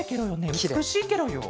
うつくしいケロよ。